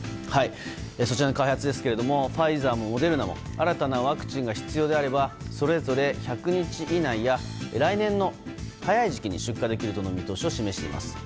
そちらの開発ですがファイザーもモデルナも新たなワクチンが必要であればそれぞれ１００日以内や来年の早い時期に出荷できるとの見通しを示しています。